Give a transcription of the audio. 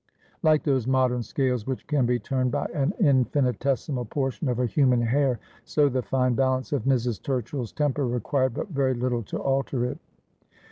Like those modern scales which can be turned by an infini tesimal portion of a human hair, so the fine balance of Mrs. Turchill's temper required but very little to alter it.